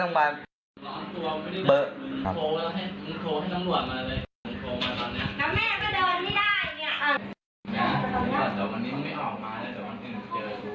แล้วแม่ก็เดินไม่ได้